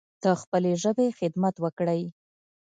د خپلې ژبې خدمت وکړﺉ